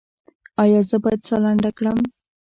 ایا زه باید ساه لنډه کړم؟